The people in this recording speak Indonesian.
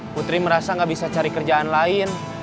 putri merasa gak bisa cari kerjaan lain